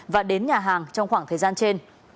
và đến nhà hàng trong khoảng thời gian trên